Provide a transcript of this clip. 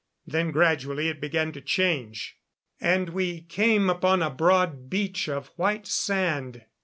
Then gradually it began to change, and we came upon a broad beach of white sand.